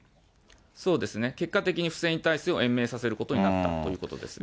そうですね、結果的にフセイン体制を延命させることになったということです。